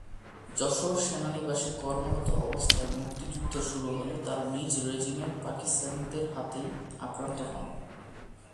যশোর সেনানিবাসে কর্মরত অবস্থায় মুক্তিযুদ্ধ শুরু হলে তারা নিজ রেজিমেন্ট পাকিস্তানিদের হাতেই আক্রান্ত হন।